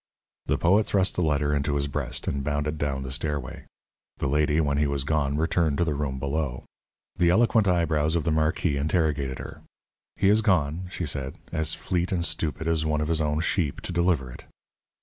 The poet thrust the letter into his breast, and bounded down the stairway. The lady, when he was gone, returned to the room below. The eloquent eyebrows of the marquis interrogated her. "He is gone," she said, "as fleet and stupid as one of his own sheep, to deliver it."